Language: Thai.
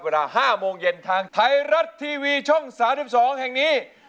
เวลา๕โมงเย็นทางไทยรัฐทีวีช่อง๓๒แห่งนี้